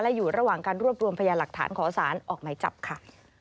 และอยู่ระหว่างการรวบรวมพยานหลักฐานขอสารออกหมายจับค่ะ